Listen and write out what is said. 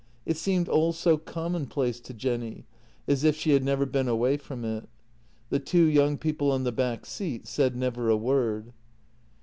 It seemed all so commonplace to Jenny, as if she had never been away from it. The two young people on the back seat said never a word.